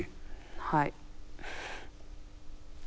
はい。